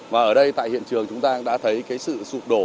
và ở đây tại hiện trường chúng ta đã thấy cái sự sụp đổ